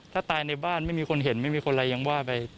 ถ้าตายในบ้านไม่มีคนเห็นไม่มีคนอะไรยังว่าไป